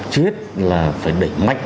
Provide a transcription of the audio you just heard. trước hết là phải đẩy mạnh